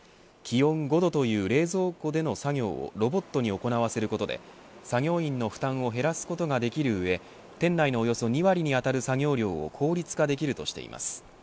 気温５度という冷蔵庫での作業をロボットに行わせることで作業員の負担を減らすことができる上店内のおよそ２割に当たる作業量を効率化できるとしています。